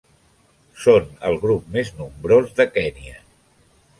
Són el grup més nombrós de Kenya.